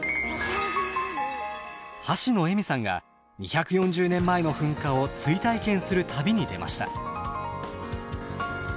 はしのえみさんが２４０年前の噴火を追体験する旅に出ました。